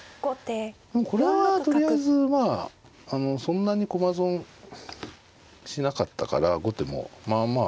これはとりあえずまあそんなに駒損しなかったから後手もまあまあ。